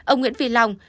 ông nguyễn vĩ lòng